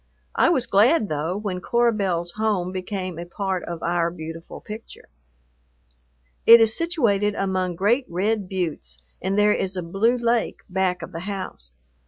I was glad, though, when Cora Belle's home became a part of our beautiful picture. It is situated among great red buttes, and there is a blue lake back of the house.